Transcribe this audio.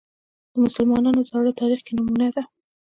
د مسلمانانو زاړه تاریخ کې نمونه ده